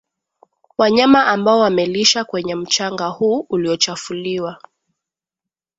wanyama ambao wamelisha kwenye mchanga huu uliochafuliwa